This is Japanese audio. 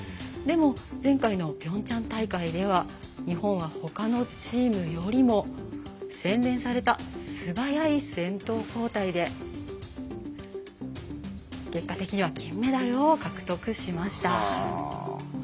でも前回のピョンチャン大会では日本はほかのチームよりも、洗練された素早い先頭交代で結果的には金メダルを獲得しました。